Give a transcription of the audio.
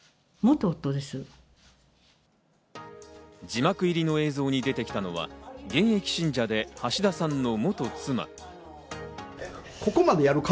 字幕入りの映像に出てきたのは現役信者で橋田さんの元妻。